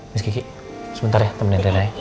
miss kiki sebentar ya temenin rena ya